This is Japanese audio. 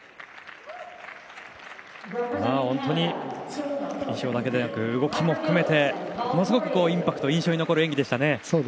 本当に衣装だけでなく動きも含めてものすごくインパクト印象に残る演技でしたね。